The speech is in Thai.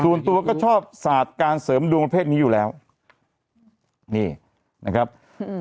ส่วนตัวก็ชอบศาสตร์การเสริมดวงประเภทนี้อยู่แล้วนี่นะครับอืม